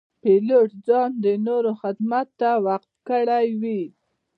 پیلوټ ځان د نورو خدمت ته وقف کړی وي.